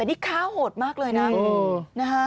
แต่นี่ค้าโหดมากเลยนะ